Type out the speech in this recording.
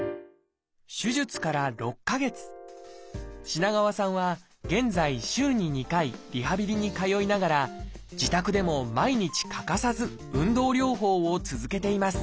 品川さんは現在週に２回リハビリに通いながら自宅でも毎日欠かさず運動療法を続けています